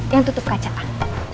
yang tutup kaca pak